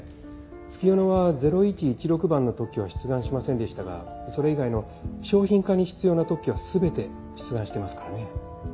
月夜野は０１１６番の特許は出願しませんでしたがそれ以外の商品化に必要な特許は全て出願してますからね。